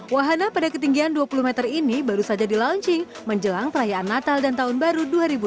wahana pada ketinggian dua puluh meter ini baru saja di launching menjelang perayaan natal dan tahun baru dua ribu delapan belas